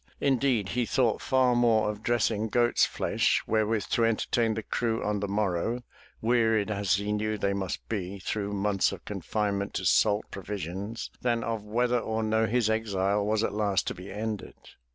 Indeed, he thought far more of dressing goat's flesh wherewith to entertain the crew on the morrow, wearied as he knew they must be through months of confinement to salt pro visions, than of whether or no his exile was at last to be ended.